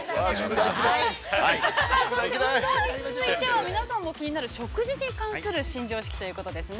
◆そして運動に続いては、皆さんも気になる食事に関する、新常識ということですね。